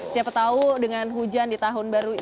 siapa tahu dengan hujan di tahun baru ini